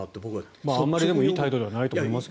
でもあまりいい態度ではないと思いますが。